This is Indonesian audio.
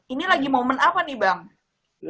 ini lagi momen apa nih bang